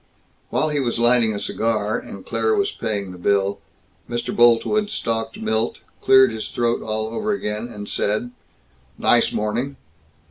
While he was lighting a cigar, and Claire was paying the bill, Mr. Boltwood stalked Milt, cleared his throat all over again, and said, "Nice morning."